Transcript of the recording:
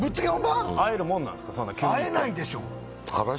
会えるもんなんですかそんな急に会えないでしょ